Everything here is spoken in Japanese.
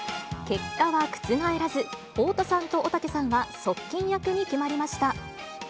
結果は覆らず、太田さんとおたけさんは側近役に決まりました。